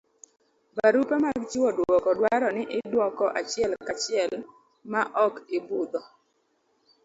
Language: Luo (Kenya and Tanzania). barupe mag chiwo duoko dwaro ni iduoko achiel ka chiel ma ok ibudho